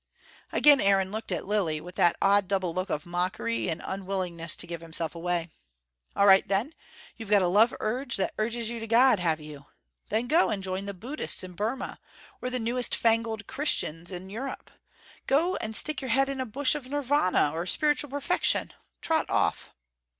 Again Aaron looked at Lilly with that odd double look of mockery and unwillingness to give himself away. "All right then. You've got a love urge that urges you to God; have you? Then go and join the Buddhists in Burmah, or the newest fangled Christians in Europe. Go and stick your head in a bush of Nirvana or spiritual perfection. Trot off."